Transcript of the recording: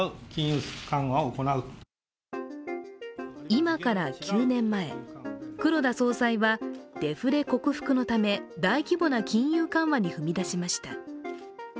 今から９年前、黒田総裁はデフレ克服のため大規模な金融緩和に踏み出しました。